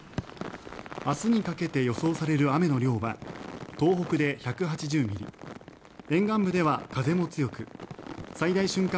明日にかけて予想される雨の量は東北で１８０ミリ沿岸部では風も強く最大瞬間